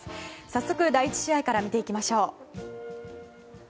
早速、第１試合から見ていきましょう。